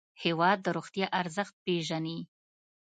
هېواد د روغتیا ارزښت پېژني.